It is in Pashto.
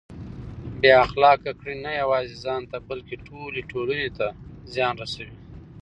بې اخلاقه کړنې نه یوازې ځان ته بلکه ټولې ټولنې ته زیان رسوي.